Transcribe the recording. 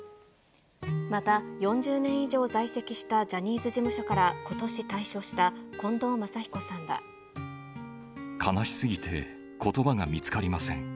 また４０年以上在籍したジャニーズ事務所からことし退所した悲しすぎてことばが見つかりません。